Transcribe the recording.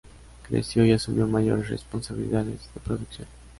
Creció y asumió mayores responsabilidades de producción.